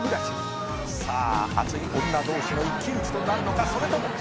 「さあ熱い女同士の一騎打ちとなるのかそれとも」